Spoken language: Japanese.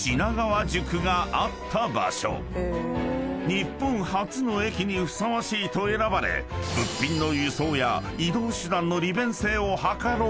［日本初の駅にふさわしいと選ばれ物品の輸送や移動手段の利便性を図ろうとした］